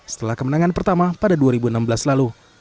setelah kemenangan pertama pada dua ribu enam belas lalu